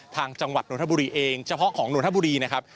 จังหวัดนทบุรีเองเฉพาะของนนทบุรีนะครับ